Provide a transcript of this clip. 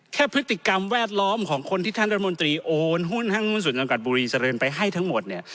แค่พฤติกรรมแวดล้อมของคนที่ท่านรัฐมนตรีโอนหุ้นห้างหุ้นส่วนจำกัดบุรีเจริญไปให้ทั้งหมดเนี่ย